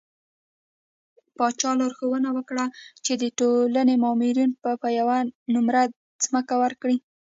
پاچا لارښوونه وکړه چې د دولتي مامورينو ته به يوه نمره ځمکه ورکړي .